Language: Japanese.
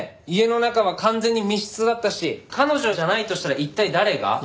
家の中は完全に密室だったし彼女じゃないとしたら一体誰が？